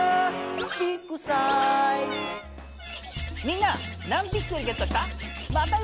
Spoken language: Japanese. みんな何ピクセルゲットした？